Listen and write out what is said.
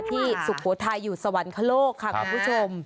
สุโขทัยอยู่สวรรคโลกค่ะคุณผู้ชม